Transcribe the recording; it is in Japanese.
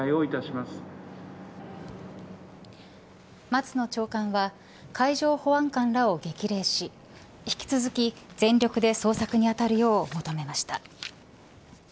松野長官は海上保安官らを激励し引き続き、全力で捜索にあたるよう求めました。